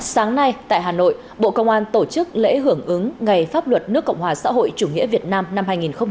sáng nay tại hà nội bộ công an tổ chức lễ hưởng ứng ngày pháp luật nước cộng hòa xã hội chủ nghĩa việt nam năm hai nghìn hai mươi